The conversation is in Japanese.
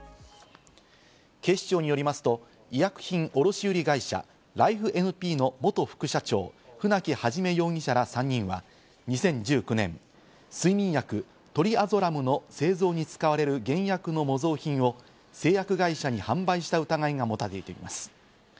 警視庁によりますと医薬品卸売会社・ライフ・エヌ・ピーの元副社長、舩木肇容疑者ら３人は２０１９年、睡眠薬トリアゾラムの製造に使われる原薬の模造品を製薬会社に販売した疑いがもたれています。